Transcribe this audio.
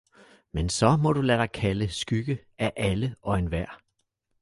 Men så må du lade dig kalde skygge af alle og enhver